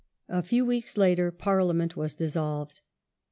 A few weeks later Parliament was dissolved.